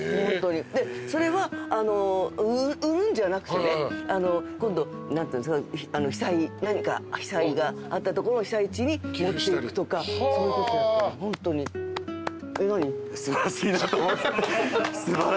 でそれは売るんじゃなくてね今度何か被災があったところの被災地に持っていくとかそういうことやってるの。